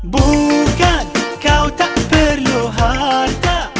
bukan kau tak perlu harta